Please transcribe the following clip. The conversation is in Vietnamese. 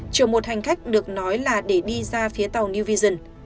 chở một hành khách được nói là để đi ra phía tàu new vision